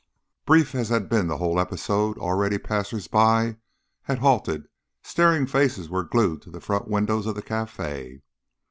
Brief as had been the whole episode, already passers by had halted, staring faces were glued to the front windows of the cafe.